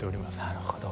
なるほど。